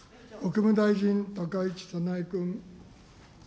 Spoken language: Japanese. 国務大臣、高市早苗君。